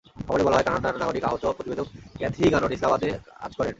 খবরে বলা হয়, কানাডার নাগরিক আহত প্রতিবেদক ক্যাথি গানন ইসলামাবাদে কাজ করেন।